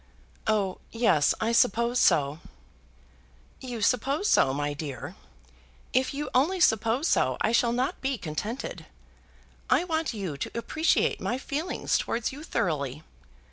"Oh, yes, I suppose so." "You suppose so, my dear! If you only suppose so I shall not be contented. I want you to appreciate my feelings towards you thoroughly.